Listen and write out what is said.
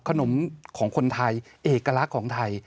ขนมของคนไทยเอกลักษณ์ของไทย